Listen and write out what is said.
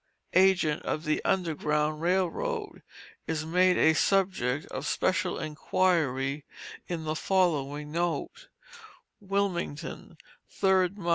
(agent of the Underground Rail Road), is made a subject of special inquiry in the following note: WILMINGTON, 3d mo.